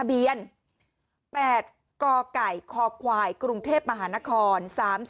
เบียน๘กกคควายกรุงเทพมหานคร๓๔